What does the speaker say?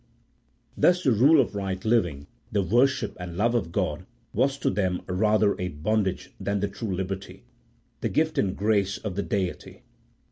Thus the rule of right living, the worship and love of God, was to them rather a bondage than the true liberty, the gift and grace of the Deity.